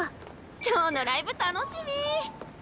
今日のライブ楽しみ！